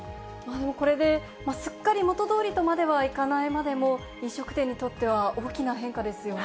これですっかり元通りとまではいかないまでも、飲食店にとっては大きな変化ですよね。